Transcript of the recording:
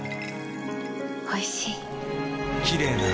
おいしい。